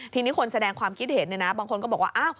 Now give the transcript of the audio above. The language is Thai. ทีนี้คนแสดงความคิดเห็นบางคนก็บอกว่า